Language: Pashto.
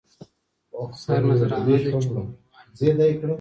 سرنذرانه دی چي ور روان یو